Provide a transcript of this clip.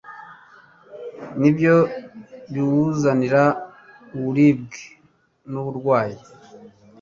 ni byo biwuzanira uburibwe nuburwayi